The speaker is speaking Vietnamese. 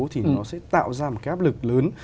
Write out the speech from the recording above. thì nó sẽ tạo ra một cái áp lực lớn